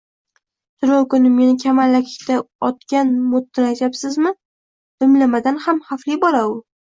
– Tunov kuni meni kamalakda otgan Mo‘ttini aytyapsanmi? Dimlamadan ham xavfli bola u!